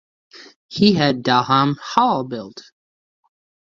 He had Dalham Hall built.